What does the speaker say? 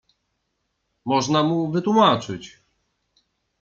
Można mu wytłumaczyć.